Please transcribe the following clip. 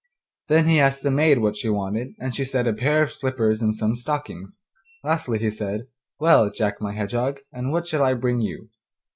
Then he asked the maid what she wanted, and she said a pair of slippers and some stockings. Lastly he said, 'Well, Jack my Hedgehog, and what shall I bring you?